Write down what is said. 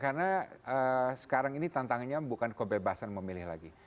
karena sekarang ini tantangannya bukan kebebasan memilih lagi